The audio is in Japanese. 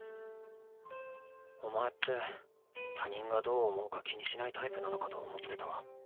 お前って他人がどう思うか気にしないタイプなのかと思ってたわ。